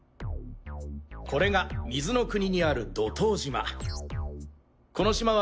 これが水の国にあるドトウ島。